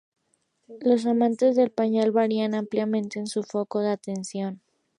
Los amantes del pañal varían ampliamente en su foco de atención.